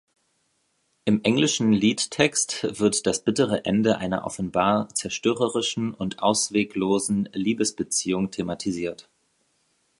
Im englischen Liedtext wird das bittere Ende einer offenbar zerstörerischen und ausweglosen Liebesbeziehung thematisiert.